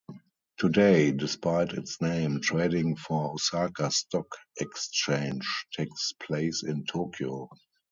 Today, despite its name, trading for Osaka Stock Exchange takes place in Tokyo.